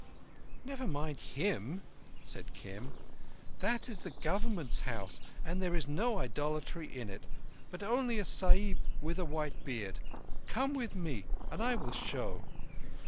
"Never mind him," said. Kim. "That is the Government's house and there is no idolatry in it, but only a Sahib with a white beard. Come with me and I will show."